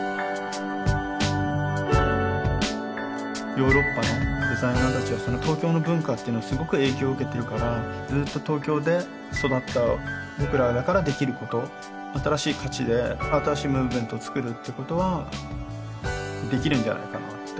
ヨーロッパのデザイナー達は東京の文化っていうのはすごく影響を受けているからずっと東京で育った僕らだからできること新しい価値で新しいムーブメントをつくるっていうことはできるんじゃないかなって